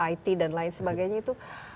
it dan lain sebagainya itu